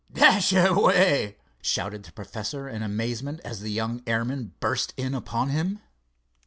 "Dashaway!" shouted the professor in amazement, as the young airman burst in upon him.